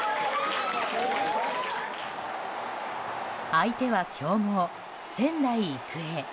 相手は強豪・仙台育英。